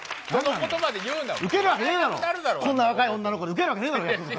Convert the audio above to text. こんな若い女の子にウケるわけねえだろ。